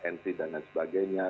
entry dan lain sebagainya